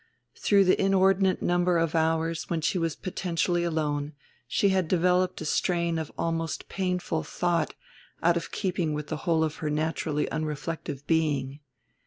Through the inordinate number of hours when she was potentially alone she had developed a strain of almost painful thought out of keeping with the whole of her naturally unreflective being.